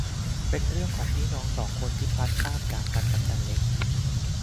เป็นเรื่องของพี่น้องสองคนที่พลัดพรากจากกันตั้งแต่เล็ก